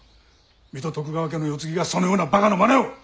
水戸徳川家の世継ぎがそのようなバカなまねを！